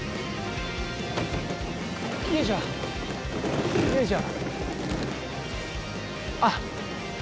よいしょよいしょ。